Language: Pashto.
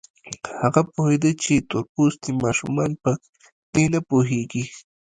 هغه پوهېده چې تور پوستي ماشومان په دې نه پوهېږي.